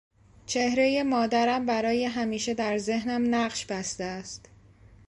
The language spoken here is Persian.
چهرهی مادرم برای همیشه در ذهنم نقش بسته است.